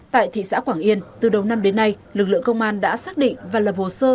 tại thị xã quảng yên từ đầu năm đến nay lực lượng công an đã xác định và lập hồ sơ